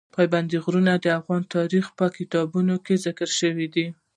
پابندي غرونه د افغان تاریخ په کتابونو کې ذکر شوي دي.